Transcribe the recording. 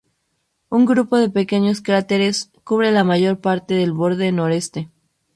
Un grupo de pequeños cráteres cubre la mayor parte del borde noreste.